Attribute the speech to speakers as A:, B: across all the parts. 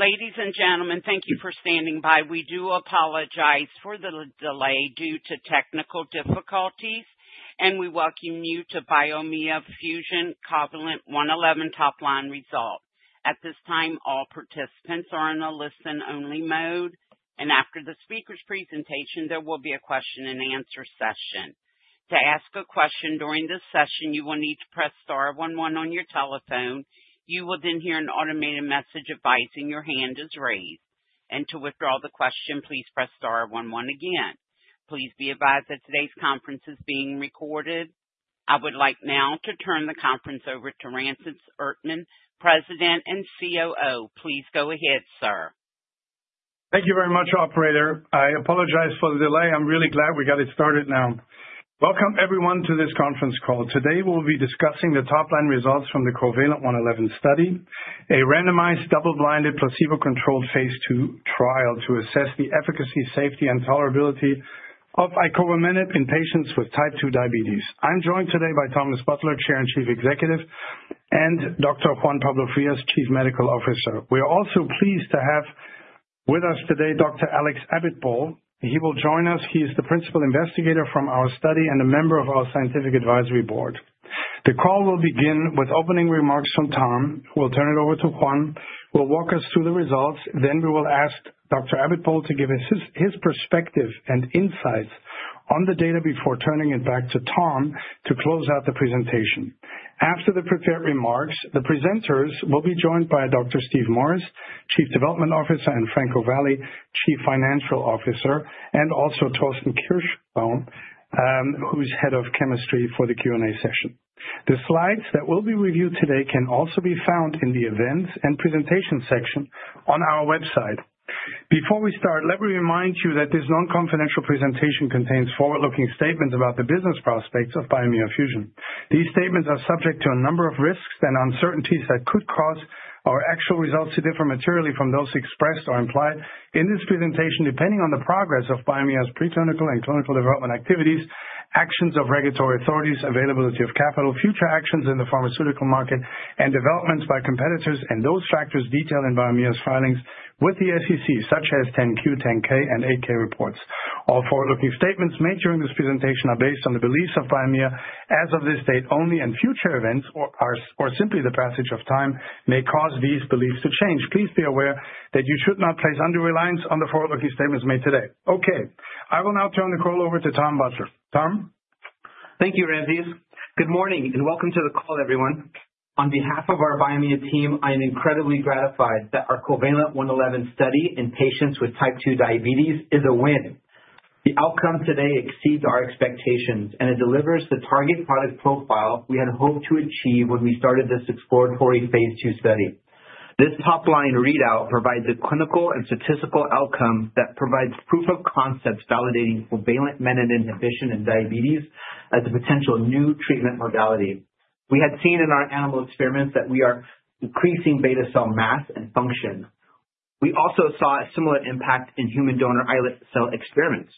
A: Ladies and gentlemen, thank you for standing by. We do apologize for the delay due to technical difficulties, and we welcome you to Biomea Fusion's COVALENT-111 top line results. At this time, all participants are in a listen-only mode, and after the speaker's presentation, there will be a question-and-answer session. To ask a question during this session, you will need to press star 11 on your telephone. You will then hear an automated message advising your hand is raised, and to withdraw the question, please press star 11 again. Please be advised that today's conference is being recorded. I would like now to turn the conference over to Ramses Erdtman, President and COO. Please go ahead, sir.
B: Thank you very much, Operator. I apologize for the delay. I'm really glad we got it started now. Welcome, everyone, to this conference call. Today, we'll be discussing the top line results from the COVALENT-111 study, a randomized, double-blinded, placebo-controlled phase II trial to assess the efficacy, safety, and tolerability of covamenib in patients with type 2 diabetes. I'm joined today by Thomas Butler, Chair and Chief Executive, and Dr. Juan Pablo Frias, Chief Medical Officer. We are also pleased to have with us today Dr. Alex Abitbol. He will join us. He is the principal investigator from our study and a member of our scientific advisory board. The call will begin with opening remarks from Tom. We'll turn it over to Juan. He'll walk us through the results. Then we will ask Dr. Abitbol to give his perspective and insights on the data before turning it back to Tom to close out the presentation. After the prepared remarks, the presenters will be joined by Dr. Steve Morris, Chief Development Officer, and Franco Valle, Chief Financial Officer, and also Thorsten Kirschbaum, who's head of chemistry for the Q&A session. The slides that will be reviewed today can also be found in the events and presentation section on our website. Before we start, let me remind you that this non-confidential presentation contains forward-looking statements about the business prospects of Biomea Fusion. These statements are subject to a number of risks and uncertainties that could cause our actual results to differ materially from those expressed or implied in this presentation, depending on the progress of Biomea's preclinical and clinical development activities, actions of regulatory authorities, availability of capital, future actions in the pharmaceutical market, and developments by competitors, and those factors detailed in Biomea's filings with the SEC, such as 10Q, 10K, and 8K reports. All forward-looking statements made during this presentation are based on the beliefs of Biomea as of this date only, and future events, or simply the passage of time, may cause these beliefs to change. Please be aware that you should not place undue reliance on the forward-looking statements made today. Okay. I will now turn the call over to Tom Butler. Tom?
C: Thank you, Ramses. Good morning and welcome to the call, everyone. On behalf of our Biomea team, I am incredibly gratified that our COVALENT-111 study in patients with type 2 diabetes is a win. The outcome today exceeds our expectations, and it delivers the target product profile we had hoped to achieve when we started this exploratory phase II study. This top line readout provides a clinical and statistical outcome that provides proof of concepts validating COVALENT-111 inhibition in diabetes as a potential new treatment modality. We had seen in our animal experiments that we are increasing beta cell mass and function. We also saw a similar impact in human donor islet cell experiments,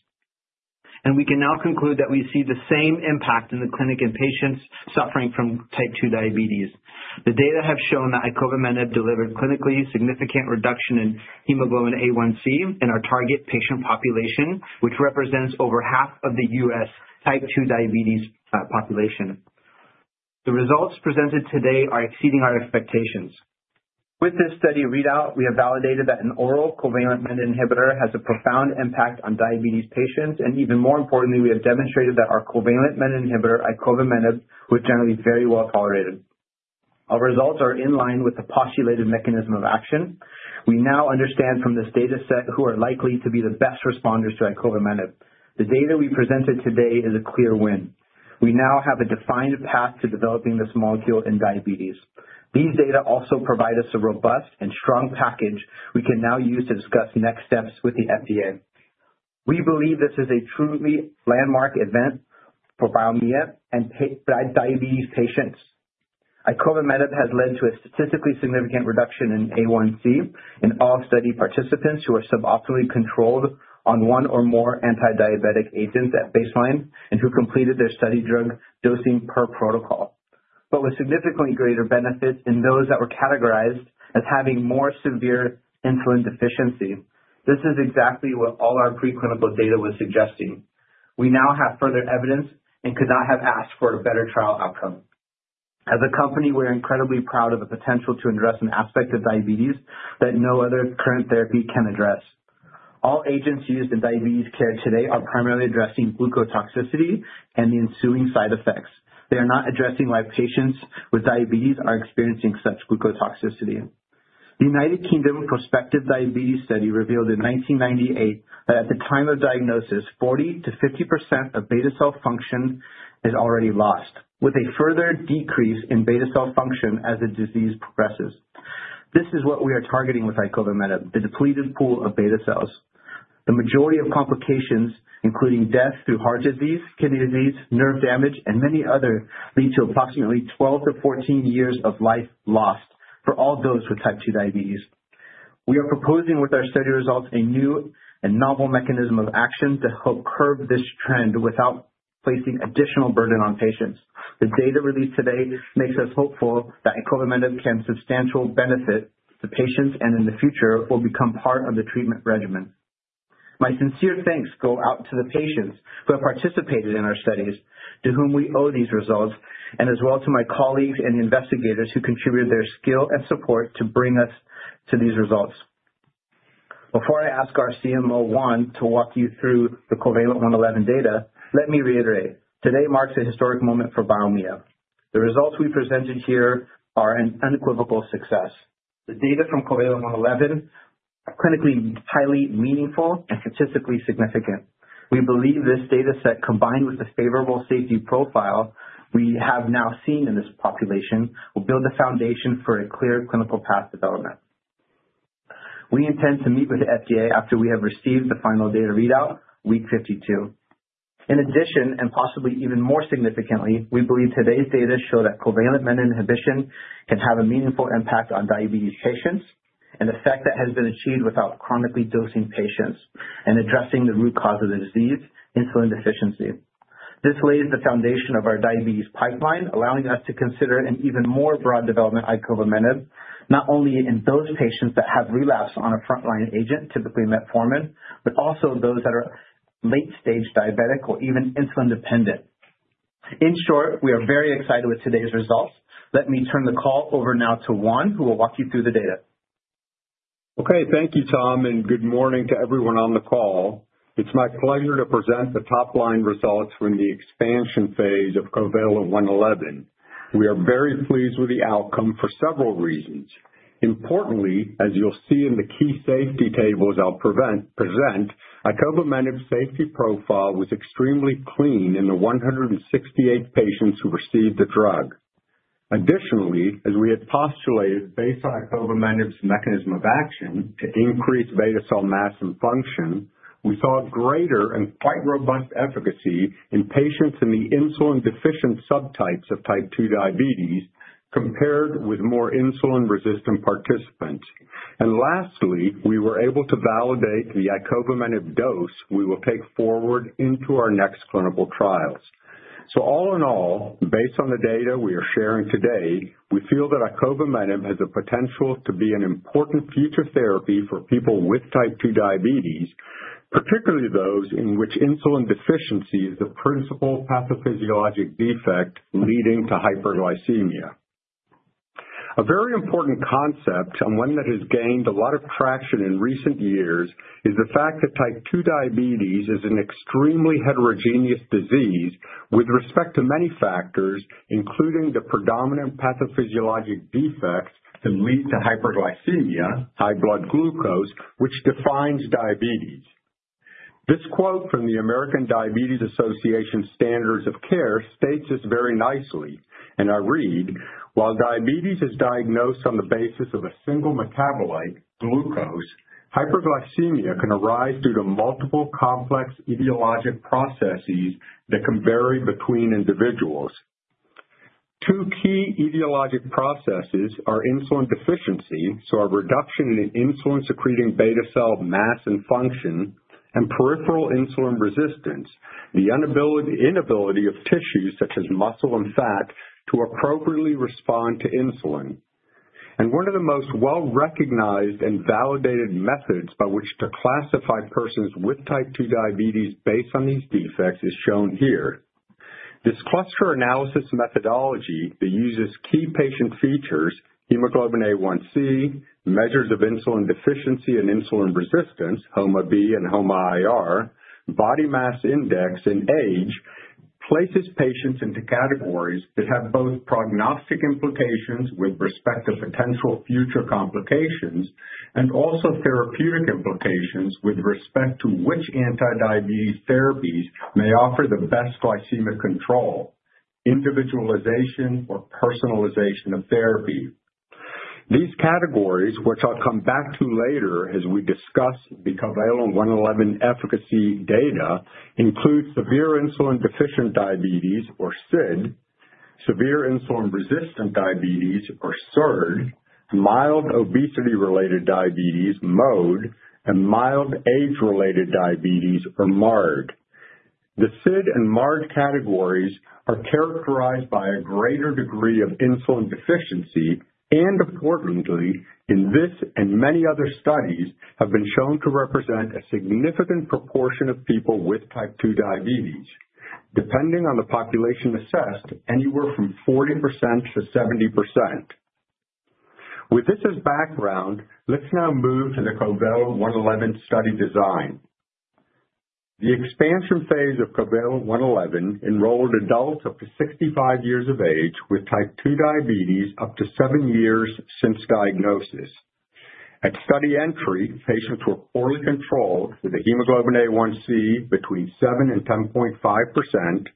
C: and we can now conclude that we see the same impact in the clinic in patients suffering from type 2 diabetes. The data have shown that icovamenib delivered clinically significant reduction in hemoglobin A1c in our target patient population, which represents over half of the U.S. type 2 diabetes population. The results presented today are exceeding our expectations. With this study readout, we have validated that an oral COVALENT-111 inhibitor has a profound impact on diabetes patients, and even more importantly, we have demonstrated that our COVALENT-111 inhibitor, icovamenib, was generally very well tolerated. Our results are in line with the postulated mechanism of action. We now understand from this data set who are likely to be the best responders to icovamenib. The data we presented today is a clear win. We now have a defined path to developing this molecule in diabetes. These data also provide us a robust and strong package we can now use to discuss next steps with the FDA. We believe this is a truly landmark event for Biomea and diabetes patients. Icovamenib has led to a statistically significant reduction in A1C in all study participants who are suboptimally controlled on one or more antidiabetic agents at baseline and who completed their study drug dosing per protocol, but with significantly greater benefits in those that were categorized as having more severe insulin deficiency. This is exactly what all our pre-clinical data was suggesting. We now have further evidence and could not have asked for a better trial outcome. As a company, we're incredibly proud of the potential to address an aspect of diabetes that no other current therapy can address. All agents used in diabetes care today are primarily addressing glucose toxicity and the ensuing side effects. They are not addressing why patients with diabetes are experiencing such glucose toxicity. The United Kingdom Prospective Diabetes Study revealed in 1998 that at the time of diagnosis, 40%-50% of beta cell function is already lost, with a further decrease in beta cell function as the disease progresses. This is what we are targeting with icovamenib, the depleted pool of beta cells. The majority of complications, including death through heart disease, kidney disease, nerve damage, and many others, lead to approximately 12-14 years of life lost for all those with type 2 diabetes. We are proposing with our study results a new and novel mechanism of action to help curb this trend without placing additional burden on patients. The data released today makes us hopeful that icovamenib can substantially benefit the patients and in the future will become part of the treatment regimen. My sincere thanks go out to the patients who have participated in our studies, to whom we owe these results, and as well to my colleagues and investigators who contributed their skill and support to bring us to these results. Before I ask our CMO, Juan, to walk you through the COVALENT-111 data, let me reiterate. Today marks a historic moment for Biomea. The results we presented here are an unequivocal success. The data from COVALENT-111 are clinically highly meaningful and statistically significant. We believe this data set, combined with the favorable safety profile we have now seen in this population, will build the foundation for a clear clinical path development. We intend to meet with the FDA after we have received the final data readout, week 52. In addition, and possibly even more significantly, we believe today's data show that COVALENT-111 inhibition can have a meaningful impact on diabetes patients and effect that has been achieved without chronically dosing patients and addressing the root cause of the disease, insulin deficiency. This lays the foundation of our diabetes pipeline, allowing us to consider an even more broad development of icovamenib, not only in those patients that have relapsed on a front line agent, typically metformin, but also those that are late stage diabetic or even insulin dependent. In short, we are very excited with today's results. Let me turn the call over now to Juan, who will walk you through the data.
D: Okay. Thank you, Tom, and good morning to everyone on the call. It's my pleasure to present the top line results from the expansion phase of COVALENT-111. We are very pleased with the outcome for several reasons. Importantly, as you'll see in the key safety tables I'll present, icovamenib's safety profile was extremely clean in the 168 patients who received the drug. Additionally, as we had postulated based on icovamenib's mechanism of action to increase beta cell mass and function, we saw greater and quite robust efficacy in patients in the insulin deficient subtypes of type 2 diabetes compared with more insulin resistant participants. And lastly, we were able to validate the icovamenib dose we will take forward into our next clinical trials. So all in all, based on the data we are sharing today, we feel that icovamenib has the potential to be an important future therapy for people with type 2 diabetes, particularly those in which insulin deficiency is the principal pathophysiologic defect leading to hyperglycemia. A very important concept, and one that has gained a lot of traction in recent years, is the fact that type 2 diabetes is an extremely heterogeneous disease with respect to many factors, including the predominant pathophysiologic defects that lead to hyperglycemia, high blood glucose, which defines diabetes. This quote from the American Diabetes Association Standards of Care states this very nicely, and I read, "While diabetes is diagnosed on the basis of a single metabolite, glucose, hyperglycemia can arise due to multiple complex etiologic processes that can vary between individuals. Two key pathophysiologic processes are insulin deficiency, so a reduction in insulin secreting beta cell mass and function, and peripheral insulin resistance, the inability of tissues such as muscle and fat to appropriately respond to insulin, and one of the most well-recognized and validated methods by which to classify persons with type 2 diabetes based on these defects is shown here. This cluster analysis methodology that uses key patient features, hemoglobin A1c, measures of insulin deficiency and insulin resistance, HOMA-B and HOMA-IR, body mass index, and age, places patients into categories that have both prognostic implications with respect to potential future complications and also therapeutic implications with respect to which antidiabetes therapies may offer the best glycemic control, individualization, or personalization of therapy. These categories, which I'll come back to later as we discuss the COVALENT-111 efficacy data, include severe insulin deficient diabetes, or SID, severe insulin resistant diabetes, or SIRD, mild obesity-related diabetes, MOD, and mild age-related diabetes, or MARD. The SID and MARD categories are characterized by a greater degree of insulin deficiency, and importantly, in this and many other studies, have been shown to represent a significant proportion of people with type 2 diabetes, depending on the population assessed, anywhere from 40%-70%. With this as background, let's now move to the COVALENT-111 study design. The expansion phase of COVALENT-111 enrolled adults up to 65 years of age with type 2 diabetes up to seven years since diagnosis. At study entry, patients were poorly controlled with a hemoglobin A1c between 7%-10.5%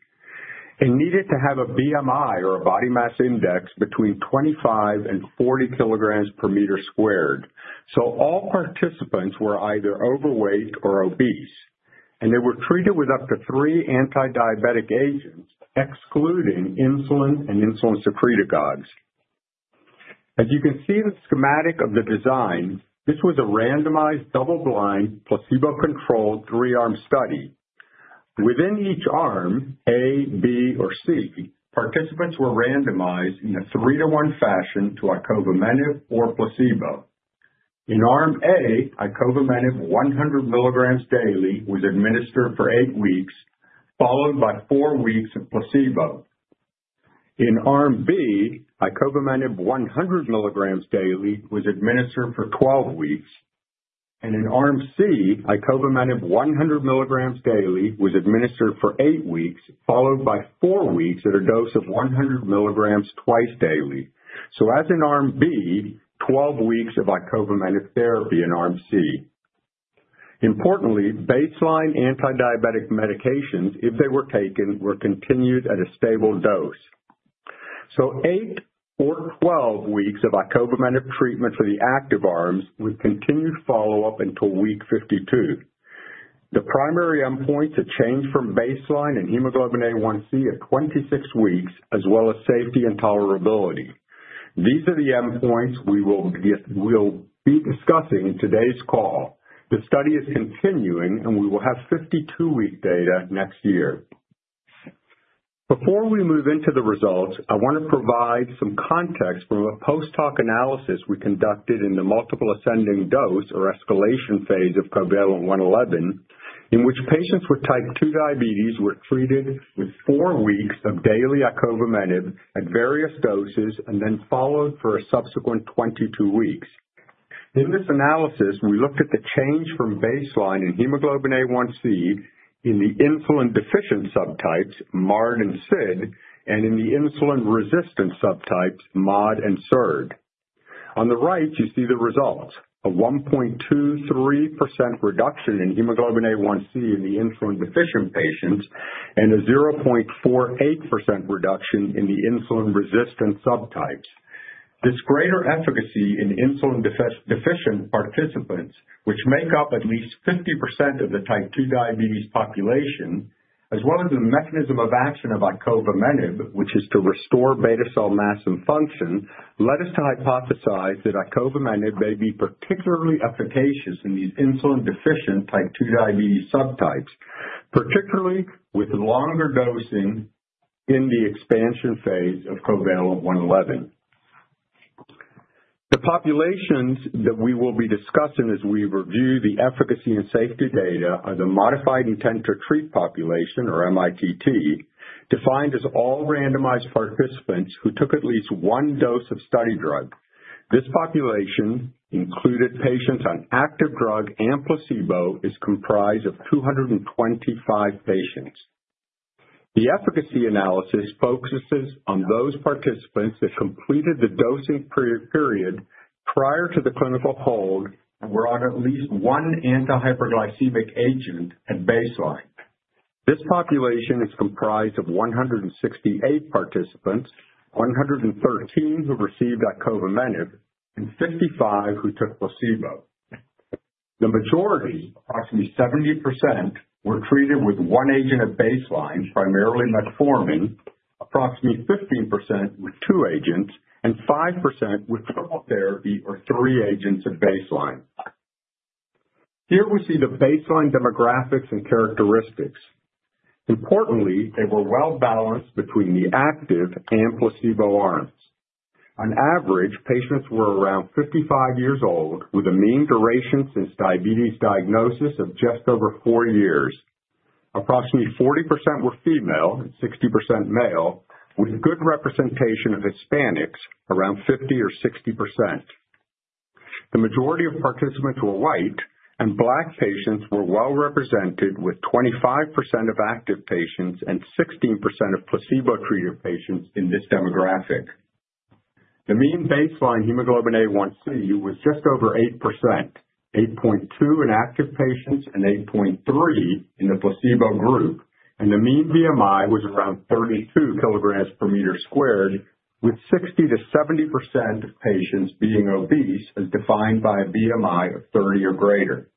D: and needed to have a BMI or a body mass index between 25 and 40 kilograms per meter squared, so all participants were either overweight or obese, and they were treated with up to three antidiabetic agents, excluding insulin and insulin secretagogues. As you can see the schematic of the design, this was a randomized double-blind placebo-controlled three-arm study. Within each arm, A, B, or C, participants were randomized in a three-to-one fashion to icovamenib or placebo. In arm A, icovamenib 100 milligrams daily was administered for eight weeks, followed by four weeks of placebo. In arm B, icovamenib 100 milligrams daily was administered for 12 weeks, and in arm C, icovamenib 100 milligrams daily was administered for eight weeks, followed by four weeks at a dose of 100 milligrams twice daily. As in arm B, 12 weeks of icovamenib therapy in arm C. Importantly, baseline antidiabetic medications, if they were taken, were continued at a stable dose. Eight or 12 weeks of icovamenib treatment for the active arms with continued follow-up until week 52. The primary endpoints have changed from baseline and hemoglobin A1c at 26 weeks, as well as safety and tolerability. These are the endpoints we will be discussing in today's call. The study is continuing, and we will have 52-week data next year. Before we move into the results, I want to provide some context from a post-hoc analysis we conducted in the multiple ascending dose or escalation phase of COVALENT-111, in which patients with type 2 diabetes were treated with four weeks of daily icovamenib at various doses and then followed for a subsequent 22 weeks. In this analysis, we looked at the change from baseline and hemoglobin A1c in the insulin deficient subtypes, MARD and SID, and in the insulin resistant subtypes, MOD and SIRD. On the right, you see the results, a 1.23% reduction in hemoglobin A1c in the insulin deficient patients and a 0.48% reduction in the insulin resistant subtypes. This greater efficacy in insulin deficient participants, which make up at least 50% of the type 2 diabetes population, as well as the mechanism of action of icovamenib, which is to restore beta cell mass and function, led us to hypothesize that icovamenib may be particularly efficacious in these insulin deficient type 2 diabetes subtypes, particularly with longer dosing in the expansion phase of COVALENT-111. The populations that we will be discussing as we review the efficacy and safety data are the modified intent to treat population, or MITT, defined as all randomized participants who took at least one dose of study drug. This population, included patients on active drug and placebo, is comprised of 225 patients. The efficacy analysis focuses on those participants that completed the dosing period prior to the clinical hold and were on at least one anti-hyperglycemic agent at baseline. This population is comprised of 168 participants, 113 who received icovamenib, and 55 who took placebo. The majority, approximately 70%, were treated with one agent at baseline, primarily metformin, approximately 15% with two agents, and 5% with triple therapy, or three agents at baseline. Here we see the baseline demographics and characteristics. Importantly, they were well balanced between the active and placebo arms. On average, patients were around 55 years old, with a mean duration since diabetes diagnosis of just over four years. Approximately 40% were female and 60% male, with good representation of Hispanics, around 50% or 60%. The majority of participants were white, and Black patients were well represented, with 25% of active patients and 16% of placebo-treated patients in this demographic. The mean baseline hemoglobin A1c was just over 8%, 8.2% in active patients and 8.3% in the placebo group, and the mean BMI was around 32 kilograms per meter squared, with 60%-70% of patients being obese as defined by a BMI of 30 or greater.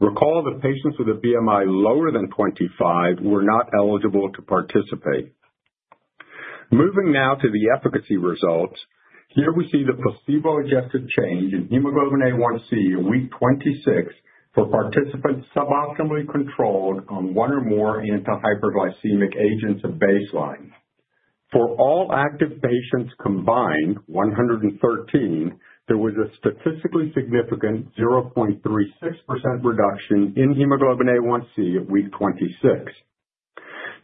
D: Recall, the patients with a BMI lower than 25 were not eligible to participate. Moving now to the efficacy results, here we see the placebo-adjusted change in hemoglobin A1c in week 26 for participants sub-optimally controlled on one or more anti-hyperglycemic agents at baseline. For all active patients combined, 113, there was a statistically significant 0.36% reduction in hemoglobin A1c at week 26.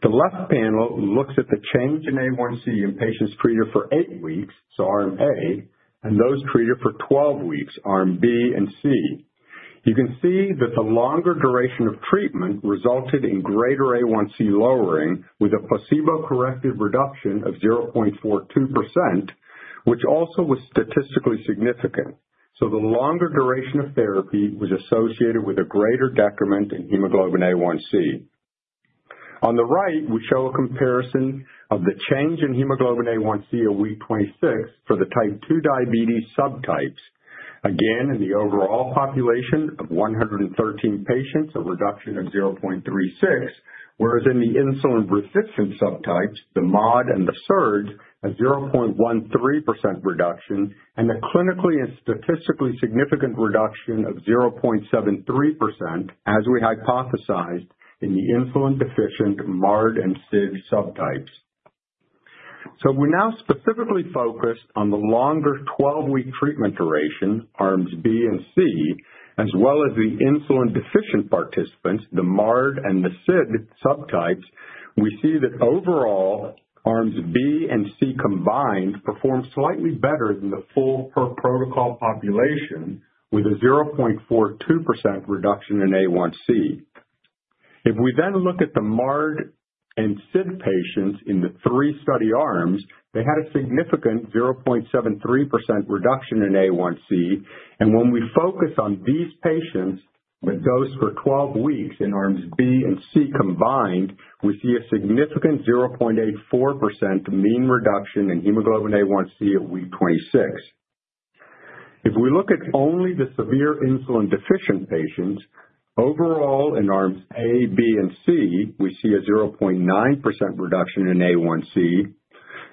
D: The left panel looks at the change in A1c in patients treated for eight weeks, so arm A, and those treated for 12 weeks, arm B and C. You can see that the longer duration of treatment resulted in greater A1c lowering with a placebo-corrected reduction of 0.42%, which also was statistically significant. So the longer duration of therapy was associated with a greater decrement in hemoglobin A1c. On the right, we show a comparison of the change in hemoglobin A1c at week 26 for the type 2 diabetes subtypes. Again, in the overall population of 113 patients, a reduction of 0.36%, whereas in the insulin resistant subtypes, the MOD and the SIRD, a 0.13% reduction, and a clinically and statistically significant reduction of 0.73%, as we hypothesized in the insulin deficient MARD and SID subtypes. We're now specifically focused on the longer 12-week treatment duration, arms B and C, as well as the insulin deficient participants, the MARD and the SID subtypes. We see that overall, arms B and C combined performed slightly better than the full per protocol population, with a 0.42% reduction in A1C. If we then look at the MARD and SID patients in the three study arms, they had a significant 0.73% reduction in A1C. When we focus on these patients with dose for 12 weeks in arms B and C combined, we see a significant 0.84% mean reduction in hemoglobin A1c at week 26. If we look at only the severe insulin-deficient patients, overall in arms A, B, and C, we see a 0.9% reduction in HbA1c,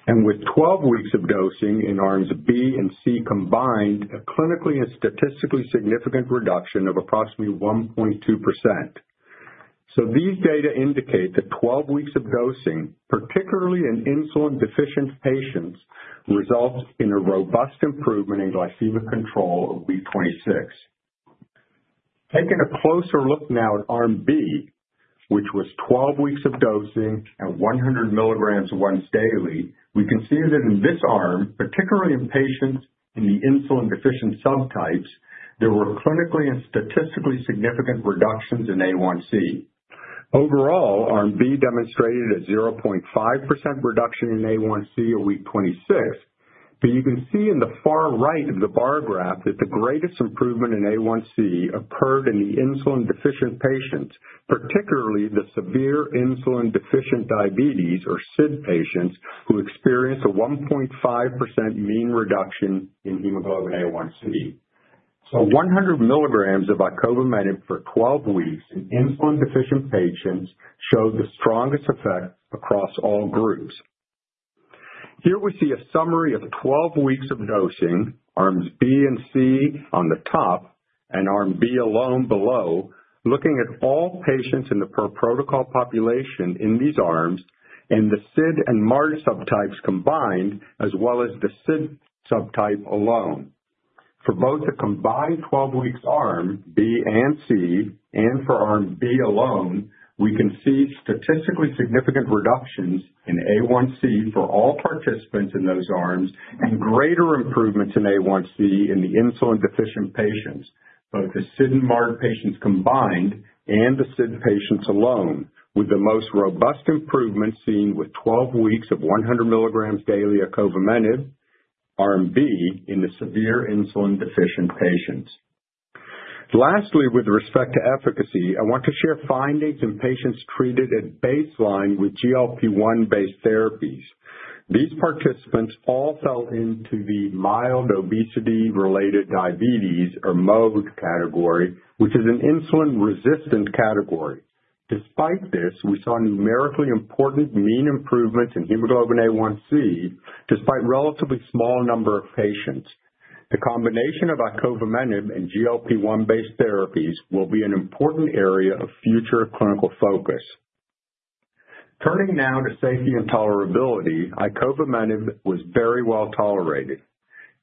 D: and with 12 weeks of dosing in arms B and C combined, a clinically and statistically significant reduction of approximately 1.2%. These data indicate that 12 weeks of dosing, particularly in insulin-deficient patients, result in a robust improvement in glycemic control at week 26. Taking a closer look now at arm B, which was 12 weeks of dosing at 100 milligrams once daily, we can see that in this arm, particularly in patients in the insulin-deficient subtypes, there were clinically and statistically significant reductions in HbA1c. Overall, arm B demonstrated a 0.5% reduction in A1C at week 26, but you can see in the far right of the bar graph that the greatest improvement in A1C occurred in the insulin-deficient patients, particularly the severe insulin-deficient diabetes, or SID patients, who experienced a 1.5% mean reduction in hemoglobin A1c. So 100 milligrams of icovamenib for 12 weeks in insulin-deficient patients showed the strongest effect across all groups. Here we see a summary of 12 weeks of dosing, arms B and C on the top, and arm B alone below, looking at all patients in the per protocol population in these arms, and the SID and MARD subtypes combined, as well as the SID subtype alone. For both the combined 12-week arm B and C, and for arm B alone, we can see statistically significant reductions in A1C for all participants in those arms and greater improvements in A1C in the insulin deficient patients, both the SID and MARD patients combined and the SID patients alone, with the most robust improvement seen with 12 weeks of 100 milligrams daily icovamenib, arm B in the severe insulin deficient patients. Lastly, with respect to efficacy, I want to share findings in patients treated at baseline with GLP-1 based therapies. These participants all fell into the mild obesity-related diabetes, or MOD category, which is an insulin resistant category. Despite this, we saw numerically important mean improvements in hemoglobin A1C, despite a relatively small number of patients. The combination of icovamenib and GLP-1 based therapies will be an important area of future clinical focus. Turning now to safety and tolerability, icovamenib was very well tolerated.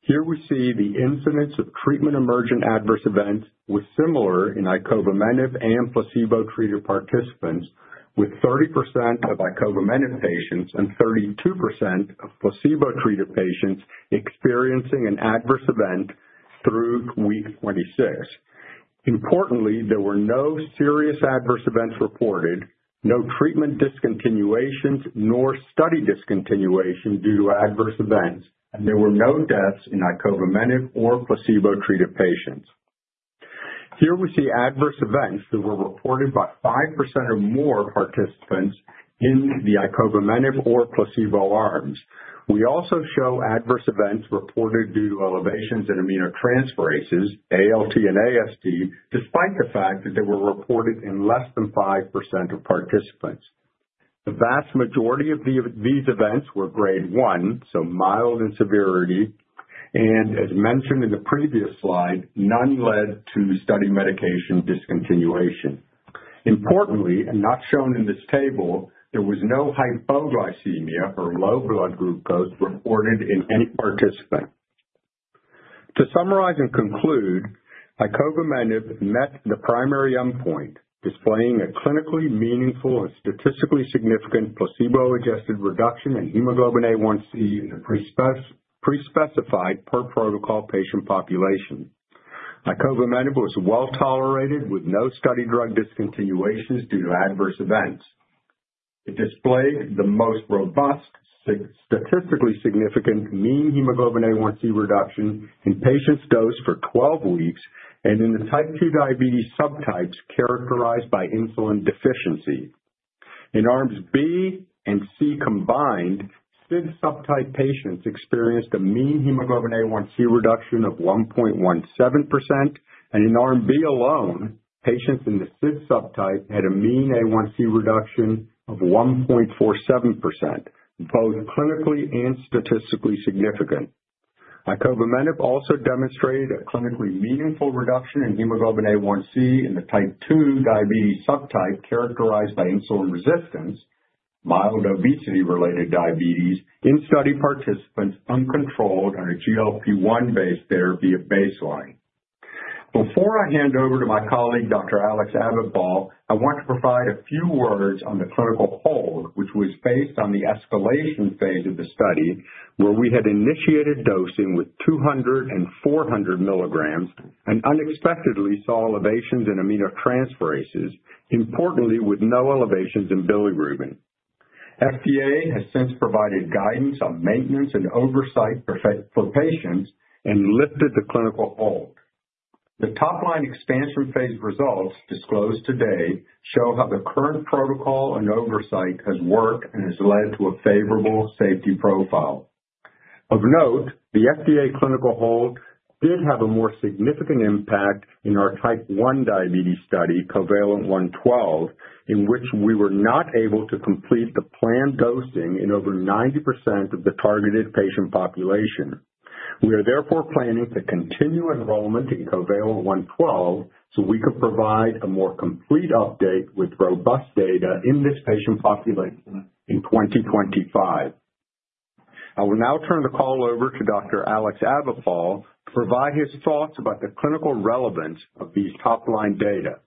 D: Here we see the incidence of treatment-emergent adverse events was similar in icovamenib and placebo-treated participants, with 30% of icovamenib patients and 32% of placebo-treated patients experiencing an adverse event through week 26. Importantly, there were no serious adverse events reported, no treatment discontinuations, nor study discontinuation due to adverse events, and there were no deaths in icovamenib or placebo-treated patients. Here we see adverse events that were reported by 5% or more participants in the icovamenib or placebo arms. We also show adverse events reported due to elevations in aminotransferases, ALT and AST, despite the fact that they were reported in less than 5% of participants. The vast majority of these events were grade 1, so mild in severity, and as mentioned in the previous slide, none led to study medication discontinuation. Importantly, and not shown in this table, there was no hypoglycemia or low blood glucose reported in any participant. To summarize and conclude, icovamenib met the primary endpoint, displaying a clinically meaningful and statistically significant placebo-adjusted reduction in hemoglobin A1c in the pre-specified per protocol patient population. Icovamenib was well tolerated with no study drug discontinuations due to adverse events. It displayed the most robust statistically significant mean hemoglobin A1c reduction in patients dosed for 12 weeks and in the type 2 diabetes subtypes characterized by insulin deficiency. In arms B and C combined, SID subtype patients experienced a mean hemoglobin A1c reduction of 1.17%, and in arm B alone, patients in the SID subtype had a mean A1c reduction of 1.47%, both clinically and statistically significant. Icovamenib also demonstrated a clinically meaningful reduction in hemoglobin A1c in the type 2 diabetes subtype characterized by insulin resistance, mild obesity-related diabetes in study participants uncontrolled on a GLP-1 based therapy at baseline. Before I hand over to my colleague, Dr. Alex Abitbol, I want to provide a few words on the clinical hold, which was based on the escalation phase of the study, where we had initiated dosing with 200 and 400 milligrams, and unexpectedly saw elevations in aminotransferases, importantly with no elevations in bilirubin. FDA has since provided guidance on maintenance and oversight for patients and lifted the clinical hold. The top line expansion phase results disclosed today show how the current protocol and oversight has worked and has led to a favorable safety profile. Of note, the FDA clinical hold did have a more significant impact in our type 1 diabetes study, COVALENT-112, in which we were not able to complete the planned dosing in over 90% of the targeted patient population. We are therefore planning to continue enrollment in COVALENT-112 so we can provide a more complete update with robust data in this patient population in 2025. I will now turn the call over to Dr. Alex Abitbol to provide his thoughts about the clinical relevance of these top line data.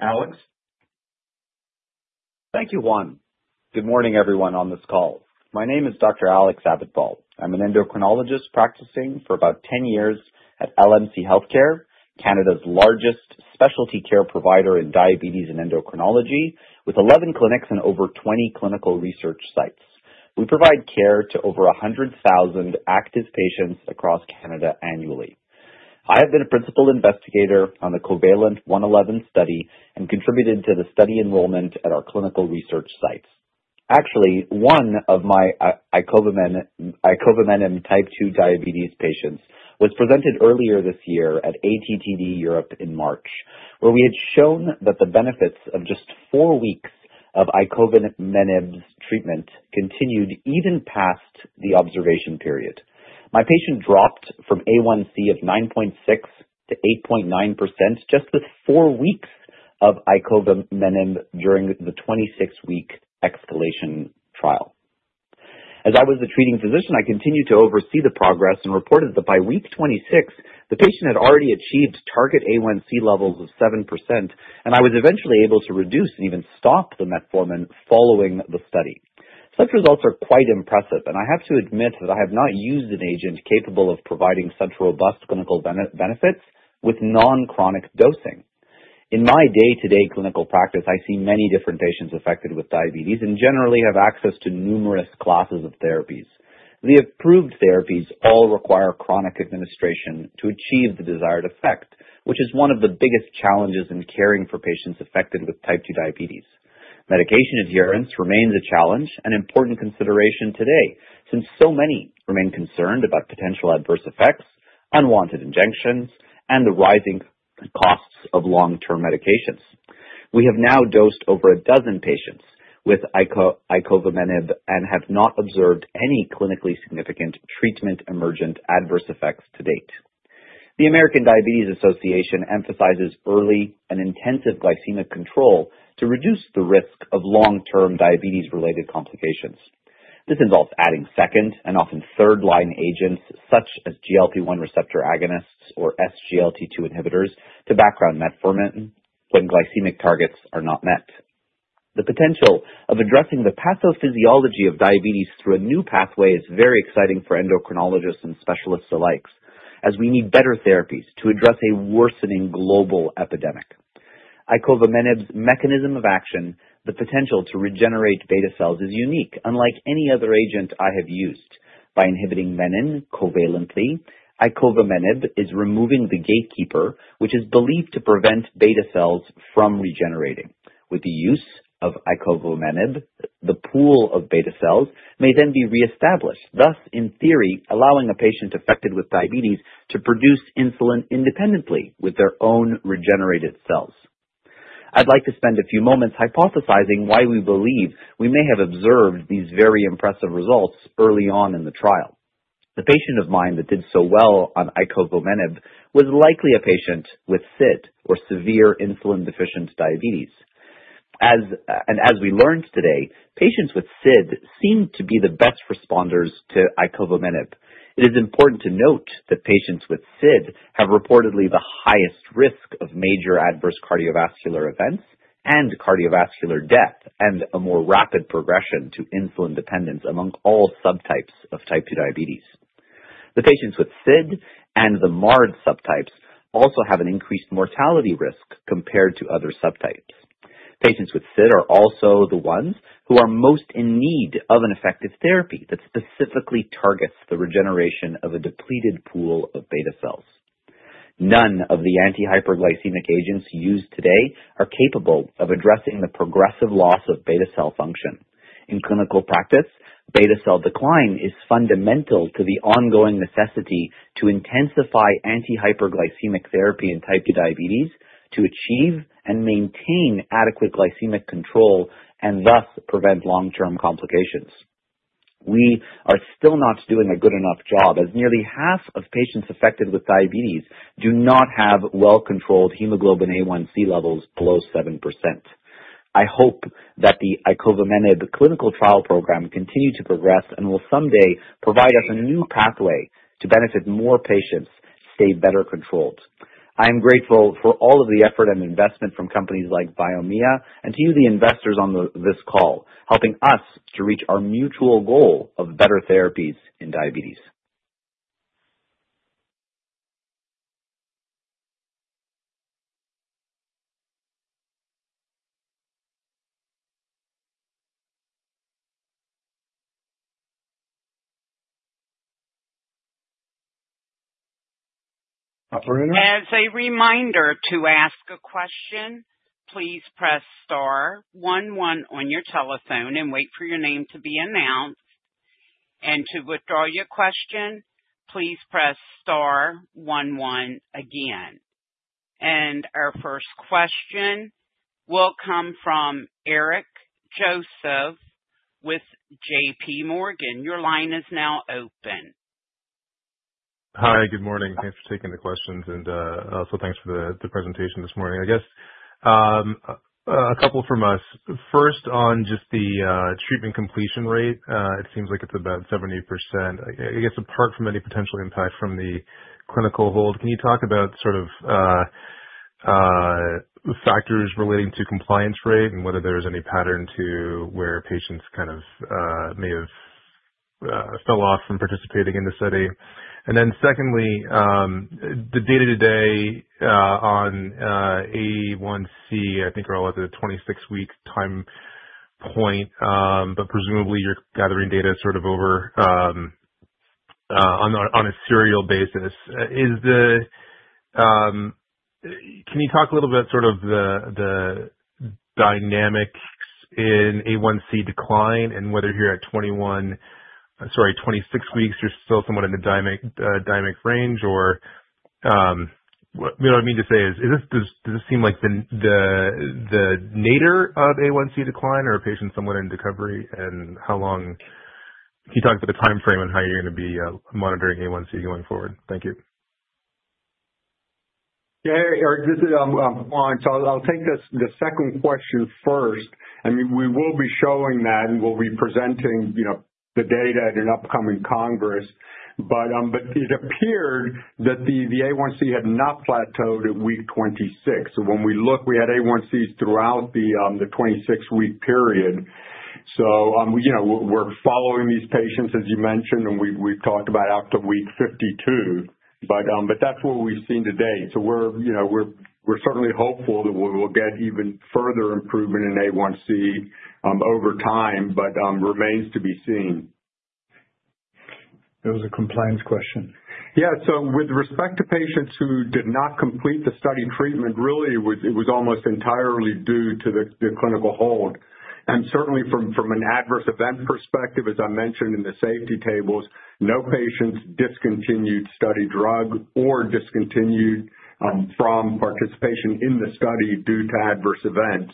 D: Alex? Thank you, Juan. Good morning, everyone on this call. My name is Dr. Alex Abitbol. I'm an endocrinologist practicing for about 10 years at LMC Healthcare, Canada's largest specialty care provider in diabetes and endocrinology, with 11 clinics and over 20 clinical research sites. We provide care to over 100,000 active patients across Canada annually. I have been a principal investigator on the COVALENT-111 study and contributed to the study enrollment at our clinical research sites. Actually, one of my icovamenib type 2 diabetes patients was presented earlier this year at ATTD Europe in March, where we had shown that the benefits of just four weeks of icovamenib treatment continued even past the observation period. My patient dropped from A1C of 9.6% to 8.9% just with four weeks of icovamenib during the 26-week escalation trial. As I was the treating physician, I continued to oversee the progress and reported that by week 26, the patient had already achieved target A1C levels of 7%, and I was eventually able to reduce and even stop the metformin following the study. Such results are quite impressive, and I have to admit that I have not used an agent capable of providing such robust clinical benefits with non-chronic dosing. In my day-to-day clinical practice, I see many different patients affected with diabetes and generally have access to numerous classes of therapies. The approved therapies all require chronic administration to achieve the desired effect, which is one of the biggest challenges in caring for patients affected with type 2 diabetes. Medication adherence remains a challenge and important consideration today, since so many remain concerned about potential adverse effects, unwanted injections, and the rising costs of long-term medications. We have now dosed over a dozen patients with icovamenib and have not observed any clinically significant treatment-emergent adverse effects to date. The American Diabetes Association emphasizes early and intensive glycemic control to reduce the risk of long-term diabetes-related complications. This involves adding second and often third line agents, such as GLP-1 receptor agonists or SGLT2 inhibitors, to background metformin when glycemic targets are not met. The potential of addressing the pathophysiology of diabetes through a new pathway is very exciting for endocrinologists and specialists alike, as we need better therapies to address a worsening global epidemic. Icovamenib's mechanism of action, the potential to regenerate beta cells, is unique, unlike any other agent I have used. By inhibiting menin covalently, icovamenib is removing the gatekeeper, which is believed to prevent beta cells from regenerating. With the use of icovamenib, the pool of beta cells may then be reestablished, thus in theory allowing a patient affected with diabetes to produce insulin independently with their own regenerated cells. I'd like to spend a few moments hypothesizing why we believe we may have observed these very impressive results early on in the trial. The patient of mine that did so well on icovamenib was likely a patient with SID or severe insulin deficient diabetes. And as we learned today, patients with SID seem to be the best responders to icovamenib. It is important to note that patients with SID have reportedly the highest risk of major adverse cardiovascular events and cardiovascular death and a more rapid progression to insulin dependence among all subtypes of type 2 diabetes. The patients with SID and the MARD subtypes also have an increased mortality risk compared to other subtypes. Patients with SID are also the ones who are most in need of an effective therapy that specifically targets the regeneration of a depleted pool of beta cells. None of the anti-hyperglycemic agents used today are capable of addressing the progressive loss of beta cell function. In clinical practice, beta cell decline is fundamental to the ongoing necessity to intensify anti-hyperglycemic therapy in type 2 diabetes to achieve and maintain adequate glycemic control and thus prevent long-term complications. We are still not doing a good enough job, as nearly half of patients affected with diabetes do not have well-controlled hemoglobin A1c levels below 7%. I hope that the icovamenib clinical trial program continues to progress and will someday provide us a new pathway to benefit more patients to stay better controlled. I am grateful for all of the effort and investment from companies like Biomea and to you, the investors on this call, helping us to reach our mutual goal of better therapies in diabetes. As a reminder to ask a question, please press star 11 on your telephone and wait for your name to be announced. To withdraw your question, please press star 11 again. Our first question will come from Eric Joseph with J.P. Morgan. Your line is now open.
E: Hi, good morning. Thanks for taking the questions, and also thanks for the presentation this morning. I guess a couple from us. First, on just the treatment completion rate, it seems like it's about 70%. I guess apart from any potential impact from the clinical hold, can you talk about sort of factors relating to compliance rate and whether there's any pattern to where patients kind of may have fell off from participating in the study? And then secondly, the data on A1C, I think we're all at the 26-week time point, but presumably you're gathering data sort of over time on a serial basis. Can you talk a little bit about sort of the dynamics in A1C decline and whether here at 21, sorry, 26 weeks, you're still somewhat in the dynamic range? Or what I mean to say is, does it seem like the nadir of A1C decline or a patient somewhat in recovery? And can you talk about the time frame and how you're going to be monitoring A1C going forward? Thank you.
D: Yeah, Eric, this is Juan. So I'll take the second question first. I mean, we will be showing that, and we'll be presenting the data at an upcoming congress. But it appeared that the A1C had not plateaued at week 26. So when we look, we had A1Cs throughout the 26-week period. So we're following these patients, as you mentioned, and we've talked about after week 52. But that's what we've seen today. We're certainly hopeful that we will get even further improvement in A1C over time, but remains to be seen. It was a compliance question. Yeah, so with respect to patients who did not complete the study treatment, really it was almost entirely due to the clinical hold. And certainly from an adverse event perspective, as I mentioned in the safety tables, no patients discontinued study drug or discontinued from participation in the study due to adverse events.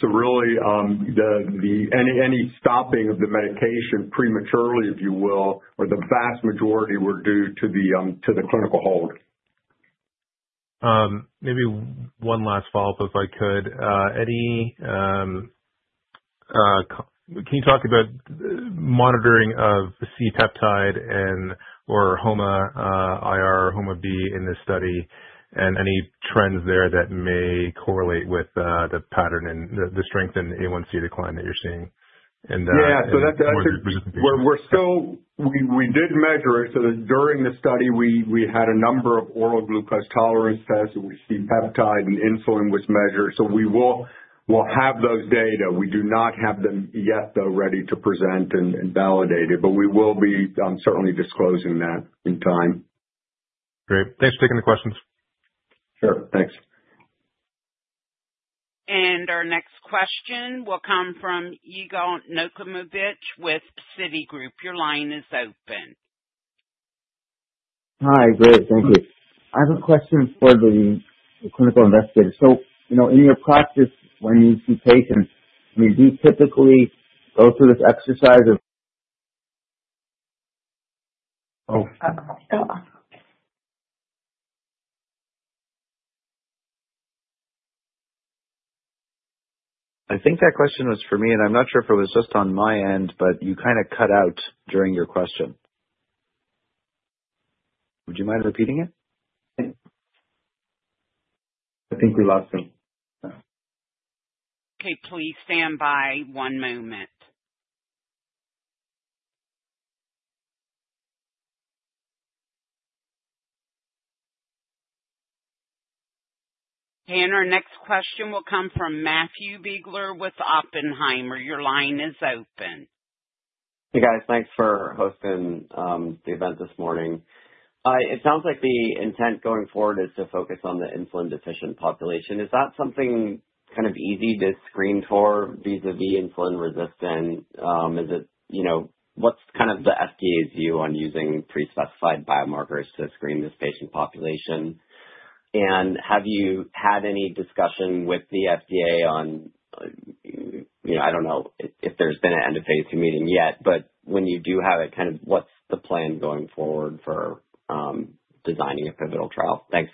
D: So really, any stopping of the medication prematurely, if you will, or the vast majority were due to the clinical hold.
E: Maybe one last follow-up, if I could. Can you talk about monitoring of C-peptide and/or HOMA-IR, HOMA-B in this study and any trends there that may correlate with the pattern and the strength in A1C decline that you're seeing?
D: And yeah, so that's we did measure it during the study. We had a number of oral glucose tolerance tests. We C-peptide and insulin was measured. So we will have those data. We do not have them yet though ready to present and validate it, but we will be certainly disclosing that in time.
E: Great. Thanks for taking the questions.
D: Sure. Thanks.
A: And our next question will come from Yigal Nochomovitz with Citi. Your line is open.
F: Hi, great. Thank you. I have a question for the clinical investigator. So in your practice, when you see patients, I mean, do you typically go through this exercise of I think that question was for me, and I'm not sure if it was just on my end, but you kind of cut out during your question. Would you mind repeating it?
A: I think we lost him. Okay, please stand by one moment, and our next question will come from Matthew Biegler with Oppenheimer. Your line is open.
G: Hey guys, thanks for hosting the event this morning. It sounds like the intent going forward is to focus on the insulin deficient population. Is that something kind of easy to screen for vis-à-vis insulin resistance? What's kind of the FDA's view on using pre-specified biomarkers to screen this patient population? And have you had any discussion with the FDA on, I don't know if there's been an end-of-phase meeting yet, but when you do have it, kind of what's the plan going forward for designing a pivotal trial? Thanks.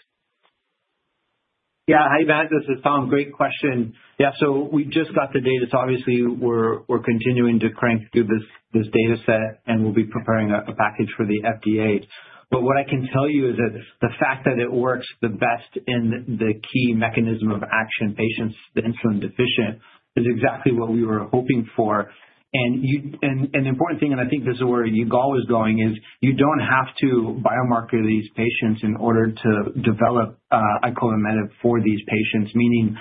C: Yeah, hi Matt, this is Tom. Great question. Yeah, so we just got the data, so obviously, we're continuing to crank through this data set, and we'll be preparing a package for the FDA. But what I can tell you is that the fact that it works the best in the key mechanism of action, patients insulin deficient, is exactly what we were hoping for. And an important thing, and I think this is where Igor was going, is you don't have to biomarker these patients in order to develop icovamenib for these patients. Meaning,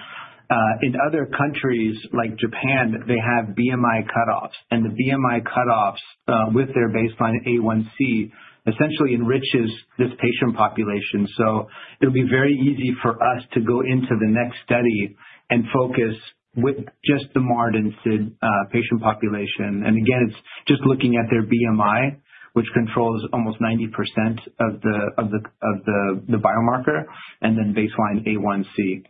C: in other countries like Japan, they have BMI cutoffs. And the BMI cutoffs with their baseline A1C essentially enriches this patient population. So it'll be very easy for us to go into the next study and focus with just the MARD and SID patient population. And again, it's just looking at their BMI, which controls almost 90% of the biomarker, and then baseline A1C.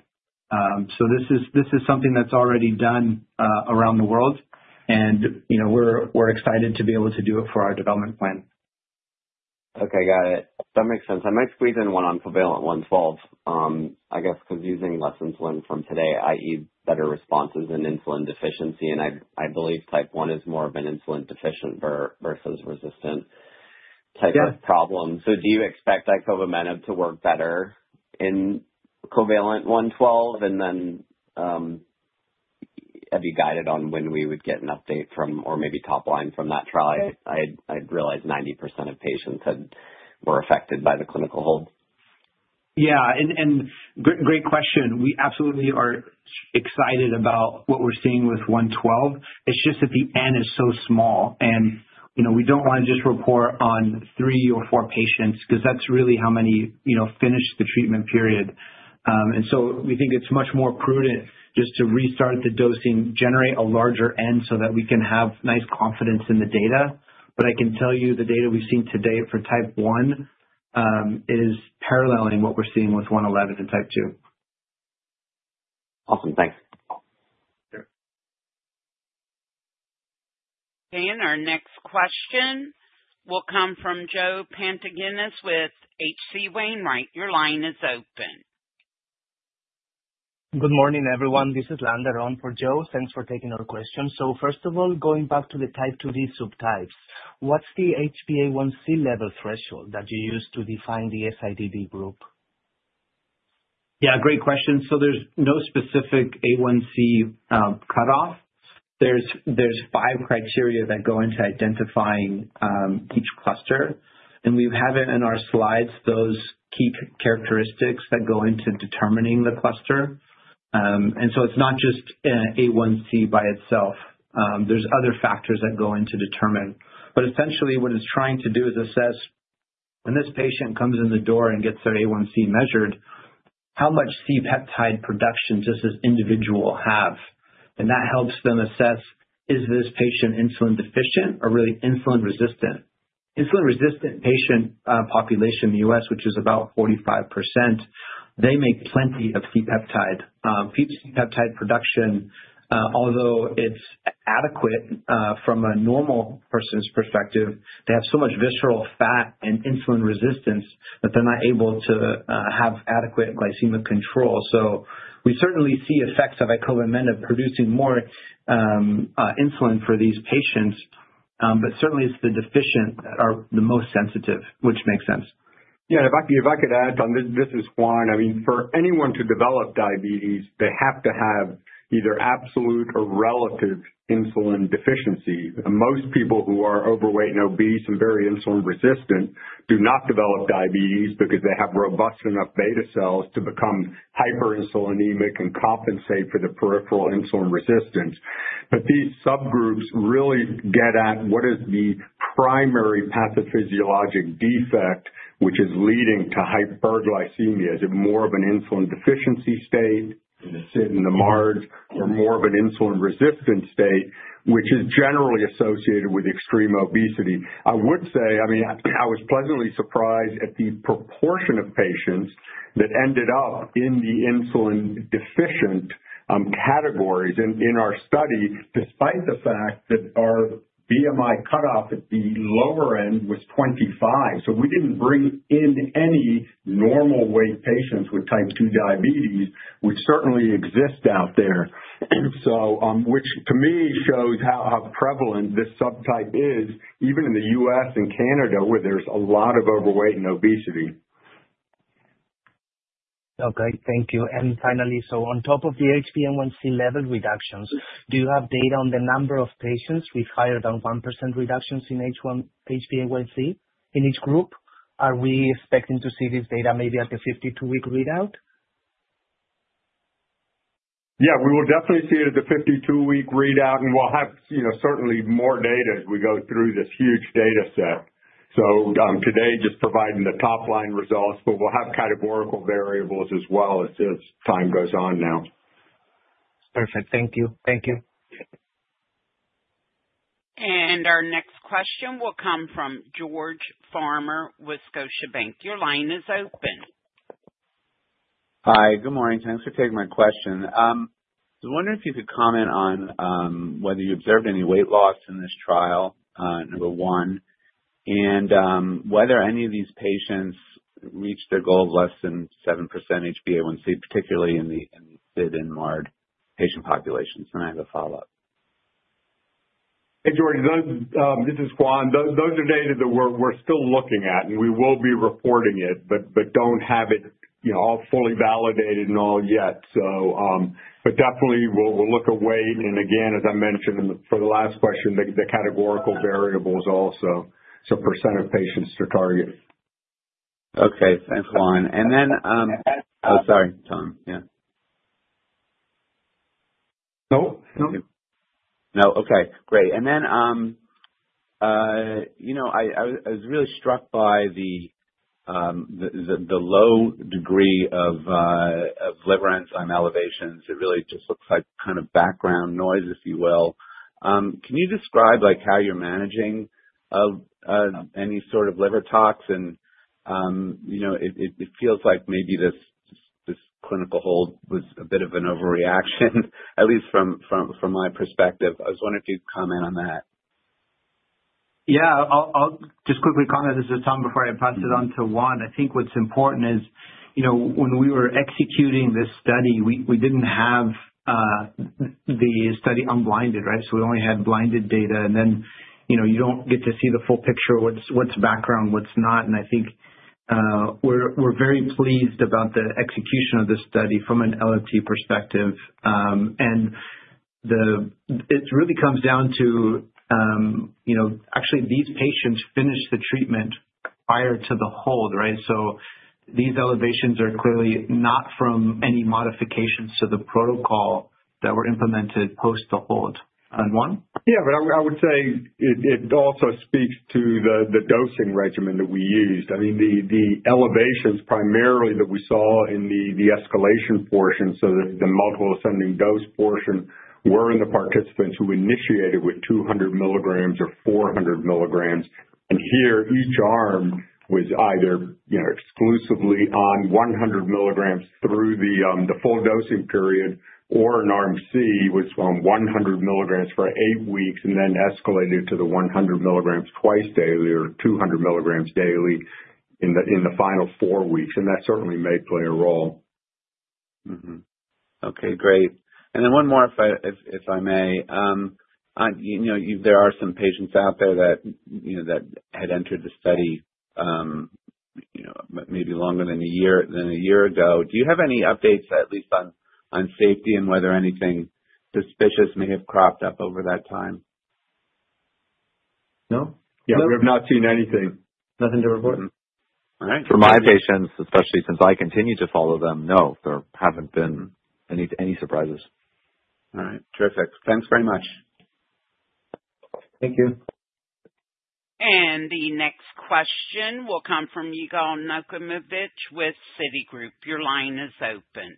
C: So this is something that's already done around the world, and we're excited to be able to do it for our development plan.
G: Okay, got it. That makes sense. I might squeeze in one on COVALENT-111 as well, I guess, because using less insulin in T1D, i.e., better responses in insulin deficiency. And I believe type 1 is more of an insulin deficient versus resistant type of problem. So do you expect icovamenib to work better in COVALENT-112? And then have you guided on when we would get an update from or maybe top line from that trial? I realized 90% of patients were affected by the clinical hold.
C: Yeah, and great question. We absolutely are excited about what we're seeing with 112. It's just that the n is so small, and we don't want to just report on three or four patients because that's really how many finish the treatment period. We think it's much more prudent just to restart the dosing, generate a larger N so that we can have nice confidence in the data. But I can tell you the data we've seen today for type 1 diabetes is paralleling what we're seeing with 111 and type 2 diabetes.
G: Awesome. Thanks.
A: Our next question will come from Joe Pantginis with H.C. Wainwright. Your line is open.
H: Good morning, everyone. This is Landa Ron for Joe. Thanks for taking our questions. First of all, going back to the type 2 diabetes subtypes, what's the HbA1c level threshold that you use to define the SIDD group?
C: Yeah, great question. There's no specific HbA1c cutoff. There's five criteria that go into identifying each cluster. We have it in our slides, those key characteristics that go into determining the cluster. It's not just HbA1c by itself. There's other factors that go into determining. But essentially, what it's trying to do is assess when this patient comes in the door and gets their A1C measured, how much C-peptide production does this individual have? And that helps them assess, is this patient insulin deficient or really insulin resistant? Insulin resistant patient population in the U.S., which is about 45%, they make plenty of C-peptide. C-peptide production, although it's adequate from a normal person's perspective, they have so much visceral fat and insulin resistance that they're not able to have adequate glycemic control. So we certainly see effects of icovamenib producing more insulin for these patients, but certainly it's the deficient that are the most sensitive, which makes sense.
D: Yeah, if I could add, this is Juan. I mean, for anyone to develop diabetes, they have to have either absolute or relative insulin deficiency. Most people who are overweight and obese and very insulin resistant do not develop diabetes because they have robust enough beta cells to become hyperinsulinemic and compensate for the peripheral insulin resistance. But these subgroups really get at what is the primary pathophysiologic defect, which is leading to hyperglycemia. Is it more of an insulin deficiency state, SID and the MARDs, or more of an insulin resistance state, which is generally associated with extreme obesity? I would say, I mean, I was pleasantly surprised at the proportion of patients that ended up in the insulin deficient categories in our study, despite the fact that our BMI cutoff at the lower end was 25. So we didn't bring in any normal weight patients with type 2 diabetes, which certainly exists out there. So which to me shows how prevalent this subtype is, even in the US and Canada where there's a lot of overweight and obesity.
H: Okay, thank you. And finally, so on top of the HbA1c level reductions, do you have data on the number of patients with higher than 1% reductions in HbA1c in each group? Are we expecting to see this data maybe at the 52-week readout?
D: Yeah, we will definitely see it at the 52-week readout, and we'll have certainly more data as we go through this huge data set. So today, just providing the top line results, but we'll have categorical variables as well as time goes on now.
H: Perfect. Thank you. Thank you.
A: And our next question will come from George Farmer, Scotiabank. Your line is open.
I: Hi, good morning. Thanks for taking my question. I was wondering if you could comment on whether you observed any weight loss in this trial, number one, and whether any of these patients reached their goal of less than 7% HbA1c, particularly in the SID and MARD patient populations. I have a follow-up.
D: Hey George, this is Juan. Those are data that we're still looking at, and we will be reporting it, but don't have it all fully validated and all yet. But definitely, we'll look away. And again, as I mentioned for the last question, the categorical variables also, so percent of patients to target.
I: Okay, thanks, Juan. And then oh, sorry, Tom. Yeah.
C: Nope. Nope.
I: No. Okay, great. I was really struck by the low degree of liver enzyme elevations. It really just looks like kind of background noise, if you will. Can you describe how you're managing any sort of liver tox? And it feels like maybe this clinical hold was a bit of an overreaction, at least from my perspective. I was wondering if you'd comment on that. Yeah, I'll just quickly comment. This is Tom before I pass it on to Juan. I think what's important is when we were executing this study, we didn't have the study unblinded, right?
C: So we only had blinded data. And then you don't get to see the full picture, what's background, what's not. And I think we're very pleased about the execution of this study from an LFT perspective. And it really comes down to actually these patients finished the treatment prior to the hold, right? So these elevations are clearly not from any modifications to the protocol that were implemented post the hold. Juan? Yeah, but I would say it also speaks to the dosing regimen that we used.
D: I mean, the elevations primarily that we saw in the escalation portion, so the multiple ascending dose portion, were in the participants who initiated with 200 milligrams or 400 milligrams. And here, each arm was either exclusively on 100 milligrams through the full dosing period or an arm was on 100 milligrams for eight weeks and then escalated to the 100 milligrams twice daily or 200 milligrams daily in the final four weeks. And that certainly may play a role.
I: Okay, great. And then one more, if I may. There are some patients out there that had entered the study maybe longer than a year ago. Do you have any updates, at least on safety and whether anything suspicious may have cropped up over that time?
D: No. Yeah, we've not seen anything. Nothing to report. All right. For my patients, especially since I continue to follow them, no, there haven't been any surprises.
J: All right. Terrific. Thanks very much.
D: Thank you.
A: And the next question will come from Yigal Nochomovitz with Citi. Your line is open.